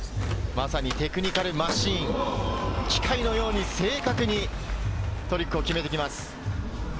まさにテクニカルマシーン、機械のように正確にトリックを決めてきます。